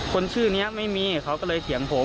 คนชื่อนี้ไม่มีเขาก็เลยเถียงผม